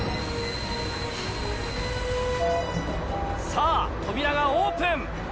さぁ扉がオープン。